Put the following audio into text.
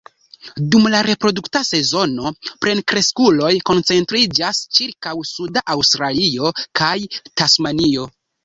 Dum la reprodukta sezono, plenkreskuloj koncentriĝas ĉirkaŭ suda Aŭstralio kaj Tasmanio.